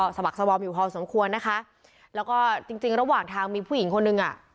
สมัครสวอมอยู่พอสมควรนะคะแล้วก็จริงจริงระหว่างทางมีผู้หญิงคนหนึ่งอ่ะ